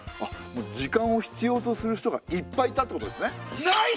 時間を必要とする人がいっぱいいたってことですね。